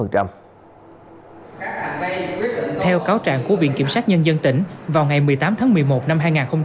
theo cáo trạng của viện kiểm sát nhân dân tỉnh vào ngày một mươi tám tháng một mươi một năm hai nghìn một mươi ba